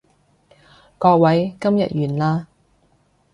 各位，今日完啦